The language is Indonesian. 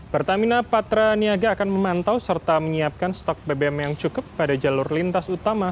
pertamina patra niaga akan memantau serta menyiapkan stok bbm yang cukup pada jalur lintas utama